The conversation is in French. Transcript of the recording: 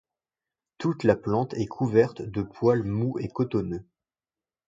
Toute la plante est couverte de poils mous et cotonneux.